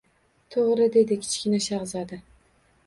— To‘g‘ri, — dedi Kichkina shahzoda.